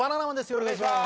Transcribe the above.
お願いします。